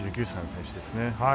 １９歳の選手ですね。